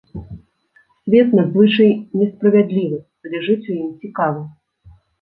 Свет надзвычай несправядлівы, але жыць у ім цікава.